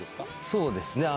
そうですね